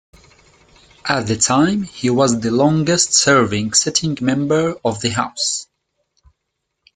At the time he was the longest-serving sitting member of the House.